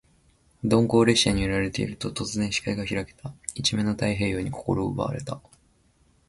鈍行列車に揺られていると、突然、視界が開けた。一面の太平洋に心を奪われた。